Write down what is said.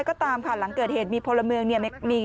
ก็ตามค่ะหลังเกิดเหตุมีพลเมืองเนี่ย